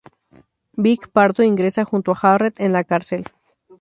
Vic Pardo ingresa junto a Jarrett en la cárcel.